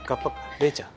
麗ちゃん。